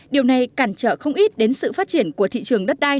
điều này cản trở không ít đến sự phát triển của thị trường đất đai